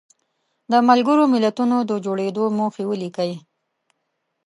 د ملګرو ملتونو د جوړېدو موخې ولیکئ.